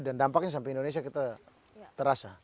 dan dampaknya sampai indonesia kita terasa